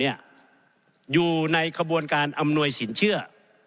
อยู่ในขบวนการอำนวยสินเชื่อ